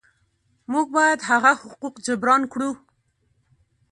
موږ باید هغه حقوق جبران کړو.